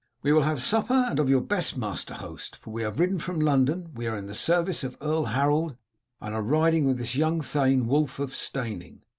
"We will have supper, and of your best, master host, for we have ridden from London. We are in the service of Earl Harold, and are riding with this young thane, Wulf of Steyning."